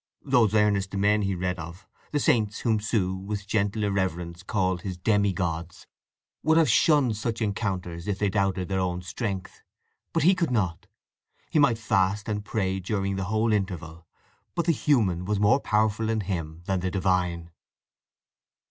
Those earnest men he read of, the saints, whom Sue, with gentle irreverence, called his demi gods, would have shunned such encounters if they doubted their own strength. But he could not. He might fast and pray during the whole interval, but the human was more powerful in him than the Divine.